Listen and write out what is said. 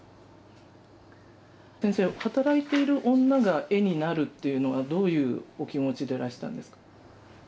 先生働いている女が絵になるっていうのはどういうお気持ちでいらしたんですか？